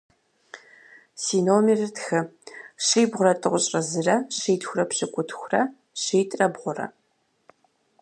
Си номерыр тхы: щибгъурэ тӏощӏрэ зырэ - щитхурэ пщыкӏутхурэ – щитӏрэ бгъурэ.